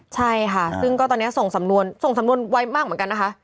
ใช่ค่ะซึ่งก็ตอนนี้ส่งสำนวนส่งสำนวนไว้มากเหมือนกันนะคะ